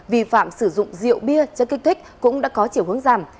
vi phạm sử dụng rượu bia cho cách thích cũng đã có chiều hướng rằm